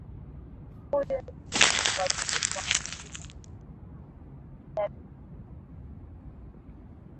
huyu hi waziri wa mambo ya nchi ya marekani bi hillary clinton akitangaza